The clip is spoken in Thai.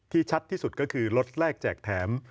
ชัดที่สุดก็คือรถแรกแจกแถม